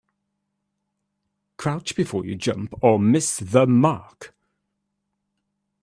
Crouch before you jump or miss the mark.